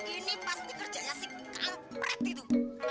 ini pasti kerjanya si kampret itu